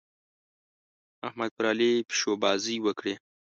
احمد پر علي پيشوبازۍ وکړې.